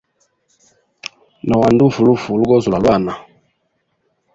No anda ufa lufu ulugozi lwa lwana.